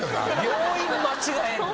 病院間違えるて。